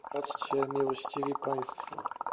"Patrzcie, Miłościwi Państwo!"